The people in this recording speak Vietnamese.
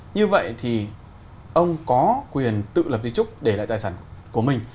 như vậy thì ông có quyền tự lập di trúc để lại tài sản của mình